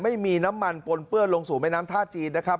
ไม่มีน้ำมันปนเปื้อนลงสู่แม่น้ำท่าจีนนะครับ